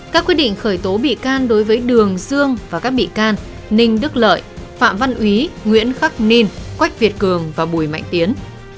các quyết định khởi tố bị can đối với đường dương và các bị can ninh đức lợi phạm văn úy nguyễn khắc ninh quách việt cường và bùi mạnh tiến